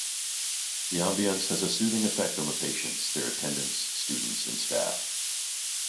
The ambience has a soothing effect on the patients, their attendants, students and staff.